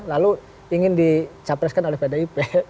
lalu ingin dicapreskan oleh pdip